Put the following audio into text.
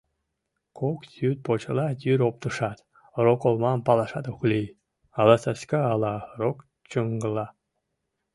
Кок йӱд почела йӱр оптышат, роколмам палашат ок лий: ала саска, ала рок чуҥгыла.